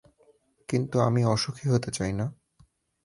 কিন্তু আমি অসুখী হতে চাই না!